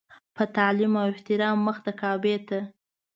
په تعلیم او احترام مخ د کعبې ته.